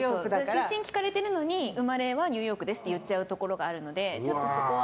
出身聞かれてるのに生まれはニューヨークですって言っちゃうところがあるのでちょっとそこは。